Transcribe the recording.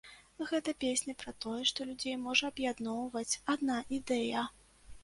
Гэта песня пра тое, што людзей можа аб'ядноўваць адна ідэя.